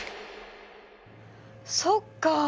そっか！